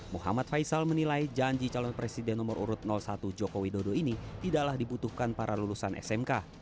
muhammad faisal menilai janji calon presiden nomor urut satu jokowi dodo ini tidaklah dibutuhkan para lulusan smk